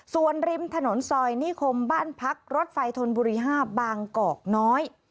ส่วนริมถนนซอยนิคมบ้านพักรถไฟธนบุรี๕บางกอกน้อย